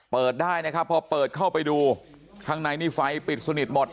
เปิดได้นะครับพอเปิดเข้าไปดูข้างในนี่ไฟปิดสนิทหมด